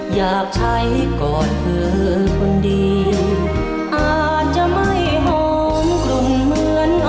อยากใช้ก่อนเธอคนเดียวอาจจะไม่หอมกลุ่นเหมือน